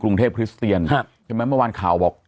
กรุงเทพคริสเตียนใช่ไหมเมื่อวานข่าวบอก